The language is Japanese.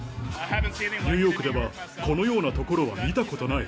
ニューヨークではこのような所は見たことない。